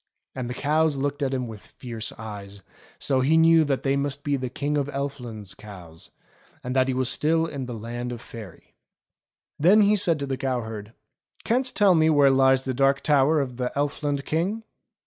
And the cows looked at him with fiery eyes, so he knew that they must be the King of Elfland's cows, and that he was still in the Land of Faery. Then he said to the cow herd : "Canst tell me where lies the Dark Tower of the Elfland King.?"